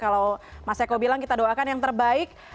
kalau mas eko bilang kita doakan yang terbaik